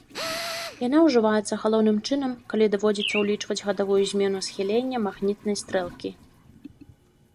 Яна ўжываецца галоўным чынам, калі даводзіцца ўлічваць гадавую змену схілення магнітнай стрэлкі.